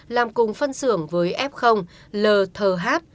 làm cùng phân xưởng với f l thờ hát